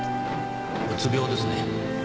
うつ病ですね